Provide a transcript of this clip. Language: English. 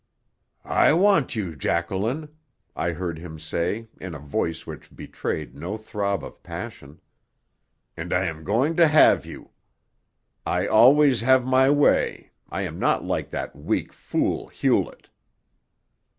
"I want you, Jacqueline," I heard him say, in a voice which betrayed no throb of passion. "And I am going to have you. I always have my way, I am not like that weak fool, Hewlett."